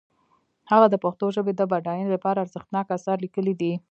هغه د پښتو ژبې د بډاینې لپاره ارزښتناک آثار لیکلي دي.